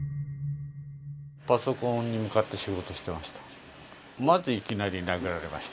パソコンに向かって仕事してました。